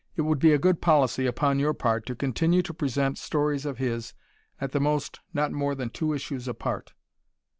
It would be a good policy upon your part to continue to present stories of his at the most not more than two issues apart.